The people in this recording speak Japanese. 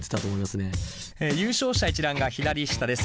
優勝者一覧が左下です。